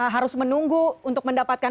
harus menunggu untuk mendapatkan